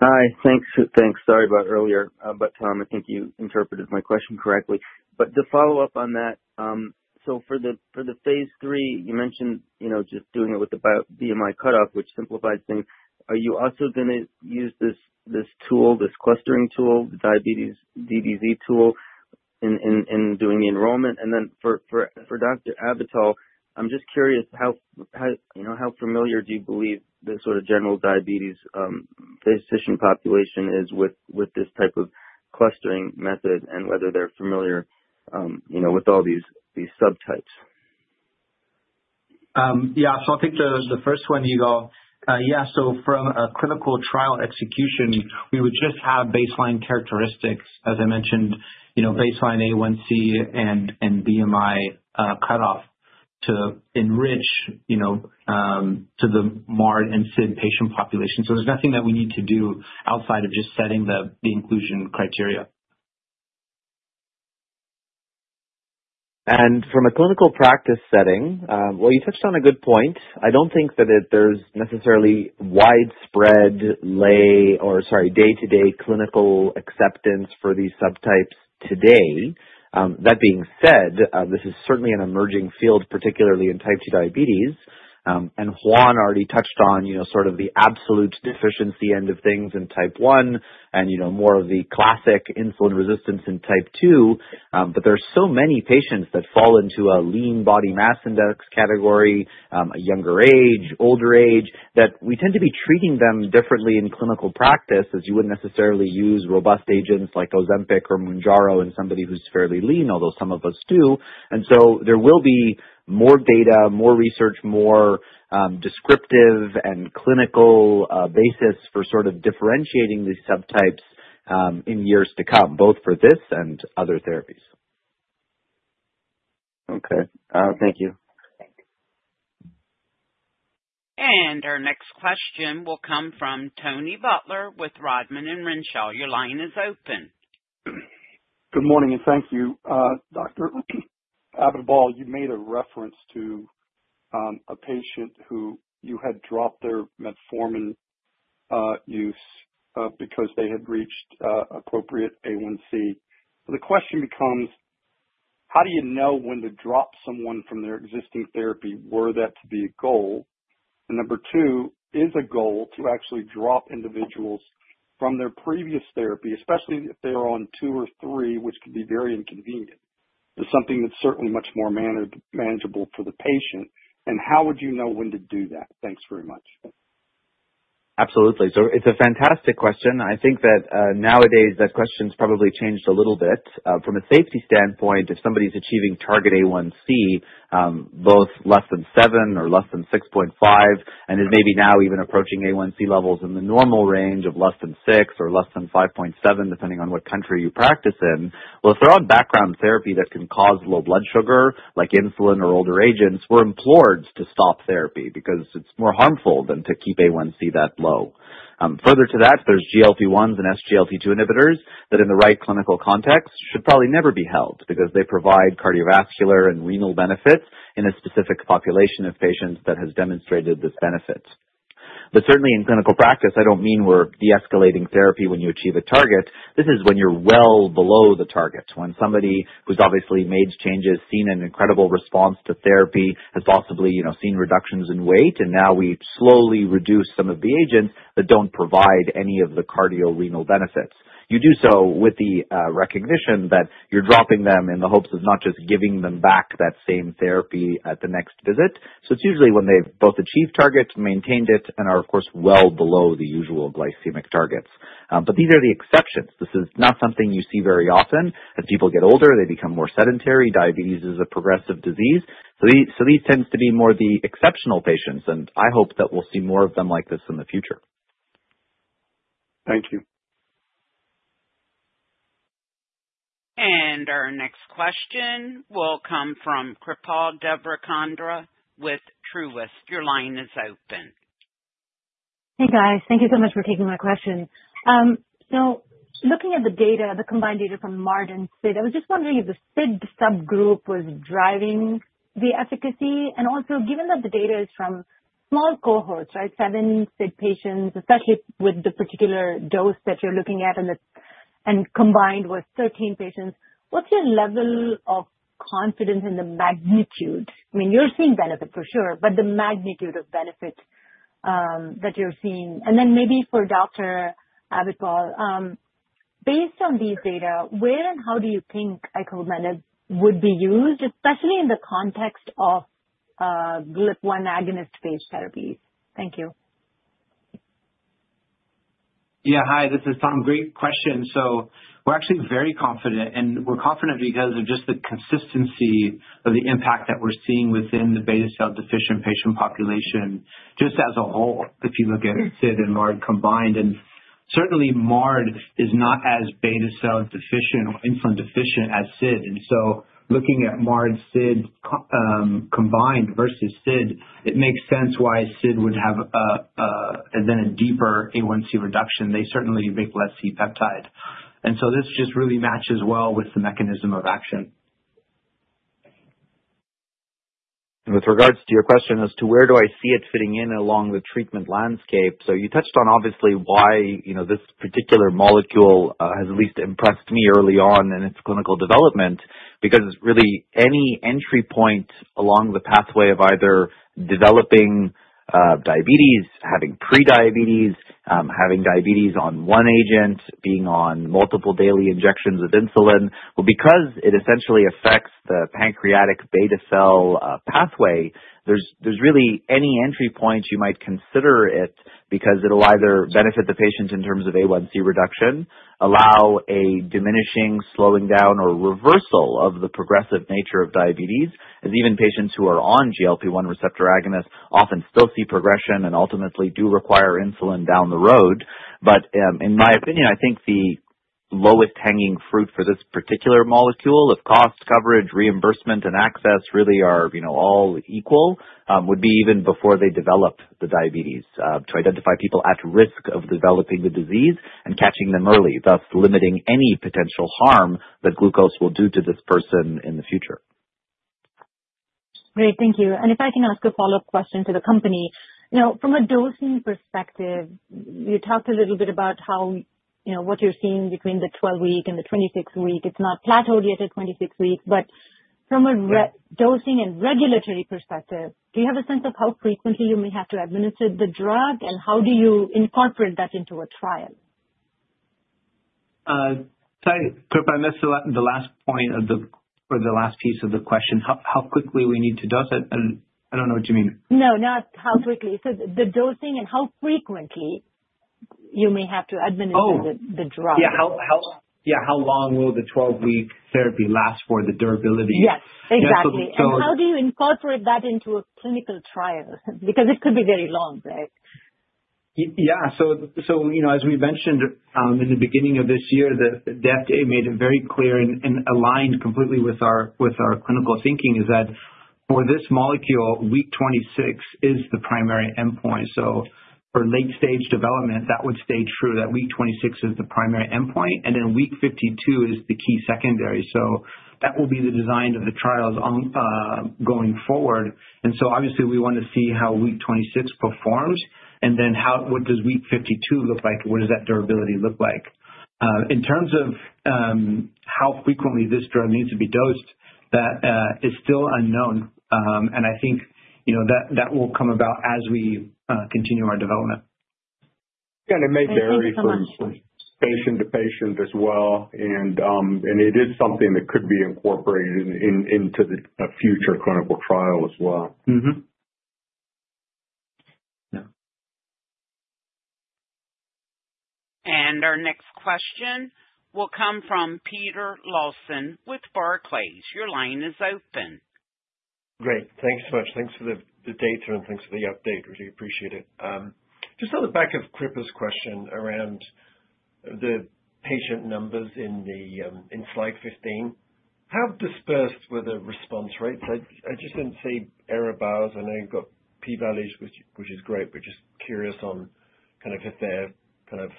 F: Hi, thanks. Sorry about earlier. But Tom, I think you interpreted my question correctly. But to follow up on that, so for the phase three, you mentioned just doing it with the BMI cutoff, which simplifies things. Are you also going to use this tool, this clustering tool, the diabetes DDZ tool in doing the enrollment? And then for Dr. Abitbol, I'm just curious, how familiar do you believe the sort of general diabetes physician population is with this type of clustering method and whether they're familiar with all these subtypes?
C: Yeah, so I think the first one, Igor. Yeah, so from a clinical trial execution, we would just have baseline characteristics, as I mentioned, baseline A1C and BMI cutoff to enrich to the MARD and SID patient population. So there's nothing that we need to do outside of just setting the inclusion criteria. And from a clinical practice setting, well, you touched on a good point. I don't think that there's necessarily widespread lay or, sorry, day-to-day clinical acceptance for these subtypes today. That being said, this is certainly an emerging field, particularly in type 2 diabetes. And Juan already touched on sort of the absolute deficiency end of things in type 1 and more of the classic insulin resistance in type 2.
B: But there are so many patients that fall into a lean body mass index category, a younger age, older age, that we tend to be treating them differently in clinical practice as you wouldn't necessarily use robust agents like Ozempic or Mounjaro in somebody who's fairly lean, although some of us do. And so there will be more data, more research, more descriptive and clinical basis for sort of differentiating these subtypes in years to come, both for this and other therapies. Okay. Thank you.
A: And our next question will come from Tony Butler with Rodman & Renshaw. Your line is open.
K: Good morning and thank you. Dr. Abitbol, you made a reference to a patient who you had dropped their metformin use because they had reached appropriate A1C. The question becomes, how do you know when to drop someone from their existing therapy? Were that to be a goal? Number two is a goal to actually drop individuals from their previous therapy, especially if they are on two or three, which can be very inconvenient. It's something that's certainly much more manageable for the patient. And how would you know when to do that? Thanks very much.
C: Absolutely. So it's a fantastic question. I think that nowadays that question's probably changed a little bit. From a safety standpoint, if somebody's achieving target A1C both less than 7 or less than 6.5, and is maybe now even approaching A1C levels in the normal range of less than 6 or less than 5.7, depending on what country you practice in, well, if they're on background therapy that can cause low blood sugar, like insulin or older agents, we're implored to stop therapy because it's more harmful than to keep A1C that low. Further to that, there's GLP-1s and SGLT2 inhibitors that, in the right clinical context, should probably never be held because they provide cardiovascular and renal benefits in a specific population of patients that has demonstrated this benefit. But certainly, in clinical practice, I don't mean we're de-escalating therapy when you achieve a target. This is when you're well below the target, when somebody who's obviously made changes, seen an incredible response to therapy, has possibly seen reductions in weight, and now we slowly reduce some of the agents that don't provide any of the cardiorenal benefits. You do so with the recognition that you're dropping them in the hopes of not just giving them back that same therapy at the next visit. So it's usually when they've both achieved target, maintained it, and are, of course, well below the usual glycemic targets. But these are the exceptions. This is not something you see very often. As people get older, they become more sedentary. Diabetes is a progressive disease. So these tend to be more the exceptional patients. And I hope that we'll see more of them like this in the future.
K: Thank you.
A: And our next question will come from Kripa Devarakonda with Truist. Your line is open.
J: Hey, guys. Thank you so much for taking my question. So looking at the data, the combined data from MARD and SID, I was just wondering if the SID subgroup was driving the efficacy. And also, given that the data is from small cohorts, right, seven SID patients, especially with the particular dose that you're looking at and combined with 13 patients, what's your level of confidence in the magnitude? I mean, you're seeing benefit for sure, but the magnitude of benefit that you're seeing. And then maybe for Dr. Abitbol, based on these data, where and how do you think icovamenib would be used, especially in the context of GLP-1 agonist-based therapies? Thank you.
C: Yeah, hi. This is Tom. Great question, so we're actually very confident, and we're confident because of just the consistency of the impact that we're seeing within the beta cell deficient patient population just as a whole, if you look at SID and MARD combined, and certainly, MARD is not as beta cell deficient or insulin deficient as SID. And so looking at MARD, SID combined versus SID, it makes sense why SID would have then a deeper A1C reduction. They certainly make less C-peptide. And so this just really matches well with the mechanism of action. With regards to your question as to where do I see it fitting in along the treatment landscape, so you touched on obviously why this particular molecule has at least impressed me early on in its clinical development because really any entry point along the pathway of either developing diabetes, having prediabetes, having diabetes on one agent, being on multiple daily injections of insulin, well, because it essentially affects the pancreatic beta cell pathway, there's really any entry point you might consider it because it'll either benefit the patient in terms of A1C reduction, allow a diminishing, slowing down, or reversal of the progressive nature of diabetes, as even patients who are on GLP-1 receptor agonists often still see progression and ultimately do require insulin down the road. But in my opinion, I think the lowest hanging fruit for this particular molecule, if cost, coverage, reimbursement, and access really are all equal, would be even before they develop the diabetes, to identify people at risk of developing the disease and catching them early, thus limiting any potential harm that glucose will do to this person in the future.
J: Great. Thank you. And if I can ask a follow-up question to the company. From a dosing perspective, you talked a little bit about what you're seeing between the 12-week and the 26-week. It's not plateaued yet at 26 weeks. But from a dosing and regulatory perspective, do you have a sense of how frequently you may have to administer the drug, and how do you incorporate that into a trial?
C: Sorry, Kripa, I missed the last point or the last piece of the question. How quickly we need to dose it? I don't know what you mean.
J: No, not how quickly. So the dosing and how frequently you may have to administer the drug.
C: Oh, yeah. Yeah, how long will the 12-week therapy last for the durability?
J: Yes, exactly. And how do you incorporate that into a clinical trial? Because it could be very long, right?
C: Yeah. So as we mentioned in the beginning of this year, the FDA made it very clear and aligned completely with our clinical thinking is that for this molecule, week 26 is the primary endpoint. So for late-stage development, that would stay true that week 26 is the primary endpoint, and then week 52 is the key secondary. So that will be the design of the trials going forward. And so obviously, we want to see how week 26 performs and then what does week 52 look like? What does that durability look like? In terms of how frequently this drug needs to be dosed, that is still unknown. And I think that will come about as we continue our development. Yeah, and it may vary from patient to patient as well. And it is something that could be incorporated into the future clinical trial as well.
A: And our next question will come from Peter Lawson with Barclays. Your line is open.
L: Great. Thanks so much. Thanks for the data and thanks for the update. Really appreciate it. Just on the back of Kripa's question around the patient numbers in slide 15, how dispersed were the response rates? I just didn't see error bars. I know you've got p-values, which is great, but just curious on kind of if there are kind of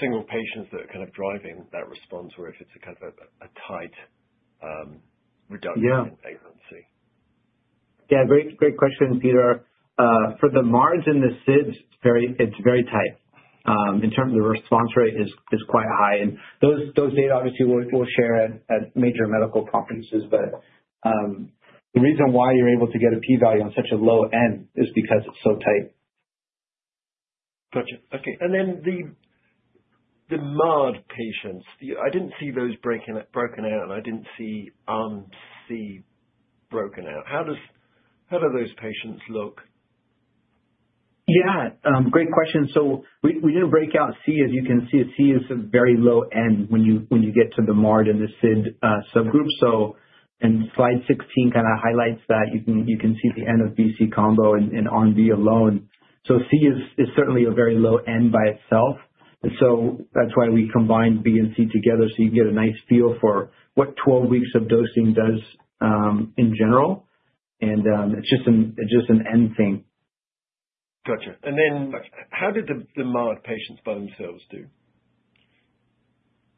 L: single patients that are kind of driving that response or if it's kind of a tight reduction in A1C.
C: Yeah. Great question, Peter. For the MARDs and the SIDs, it's very tight. In terms of the response rate, it's quite high, and those data, obviously, we'll share at major medical conferences, but the reason why you're able to get a p-value on such a low end is because it's so tight.
L: Gotcha. Okay, and then the MARD patients, I didn't see those broken out, and I didn't see C broken out. How do those patients look?
C: Yeah. Great question. So we didn't break out C, as you can see. C is a very low end when you get to the MARD and the SID subgroup. And slide 16 kind of highlights that. You can see the N of BC combo and R and B alone. So C is certainly a very low end by itself. And so that's why we combined B and C together so you can get a nice feel for what 12 weeks of dosing does in general. And it's just an end thing.
L: Gotcha. And then how did the MARD patients by themselves do?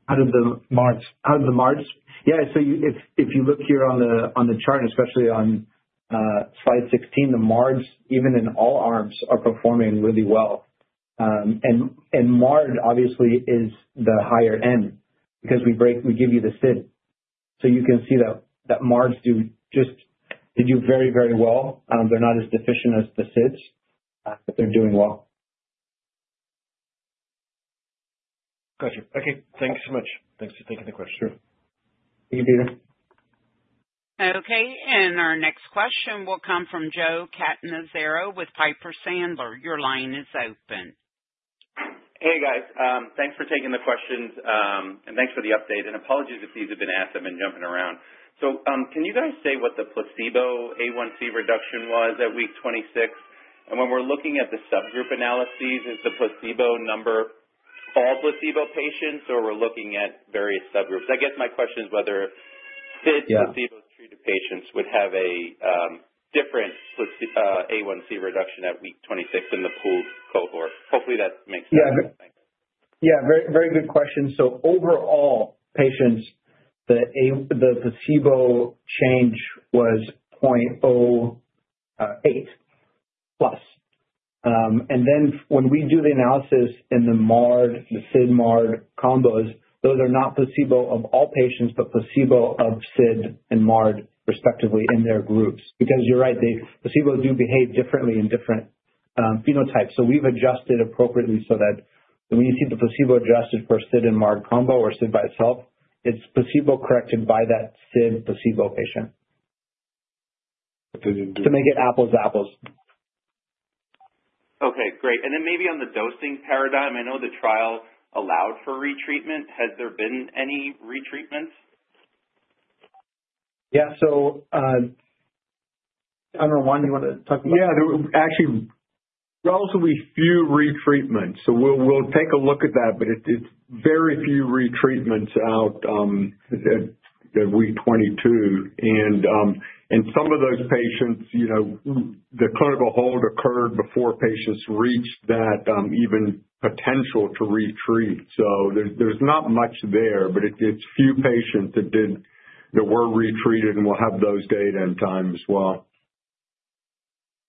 C: How did the MARDs? Yeah. So if you look here on the chart, especially on slide 16, the MARDs, even in all arms, are performing really well. And MARD, obviously, is the higher end because we give you the SID. So you can see that MARDs did very, very well. They're not as deficient as the SIDs, but they're doing well.
L: Gotcha. Okay. Thanks so much. Thanks for taking the question.
C: Thank you, Peter.
A: Okay. And our next question will come from Joe Catanzaro with Piper Sandler. Your line is open.
M: Hey, guys. Thanks for taking the questions. And thanks for the update. And apologies if these have been asked. I've been jumping around. So can you guys say what the placebo A1C reduction was at week 26? And when we're looking at the subgroup analyses, is the placebo number all placebo patients, or are we looking at various subgroups? I guess my question is whether SID placebo-treated patients would have a different A1C reduction at week 26 in the pooled cohort. Hopefully, that makes sense.
C: Yeah. Very good question. So overall, patients, the placebo change was 0.08 plus. And then when we do the analysis in the MARD, the SID-MARD combos, those are not placebo of all patients, but placebo of SID and MARD respectively in their groups. Because you're right, the placebo do behave differently in different phenotypes. So we've adjusted appropriately so that when you see the placebo adjusted for SID and MARD combo or SID by itself, it's placebo-corrected by that SID placebo patient to make it apples to apples.
M: Okay. Great. And then maybe on the dosing paradigm, I know the trial allowed for retreatment. Has there been any retreatments?
C: Yeah. So I don't know. Juan, you want to talk about that?
D: Yeah. There were actually relatively few retreatments. So we'll take a look at that. But it's very few retreatments out at week 22. And some of those patients, the clinical hold occurred before patients reached that even potential to retreat. So there's not much there. But it's few patients that were retreated, and we'll have those data and time as well.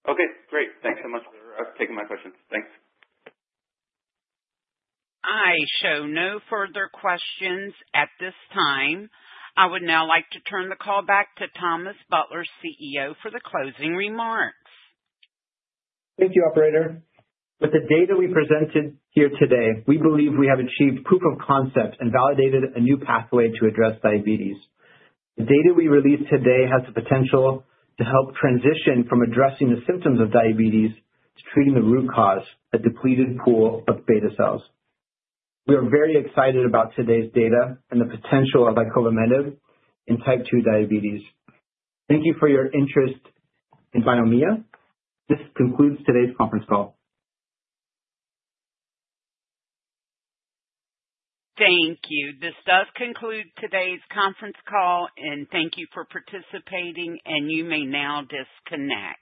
M: Okay. Great. Thanks so much for taking my questions. Thanks.
A: I show no further questions at this time. I would now like to turn the call back to Thomas Butler, CEO, for the closing remarks.
C: Thank you, Operator. With the data we presented here today, we believe we have achieved proof of concept and validated a new pathway to address diabetes. The data we released today has the potential to help transition from addressing the symptoms of diabetes to treating the root cause, a depleted pool of beta cells. We are very excited about today's data and the potential of icovamenib in type 2 diabetes. Thank you for your interest in Biomea. This concludes today's conference call.
A: Thank you. This does conclude today's conference call. And thank you for participating. And you may now disconnect.